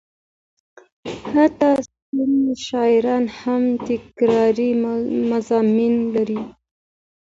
حتی ستر شاعران هم تکراري مضامین لري.